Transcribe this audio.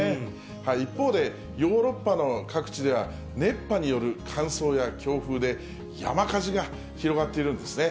一方で、ヨーロッパの各地では、熱波による乾燥や強風で山火事が広がっているんですね。